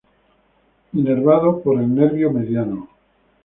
Inervado por el nervio mediano.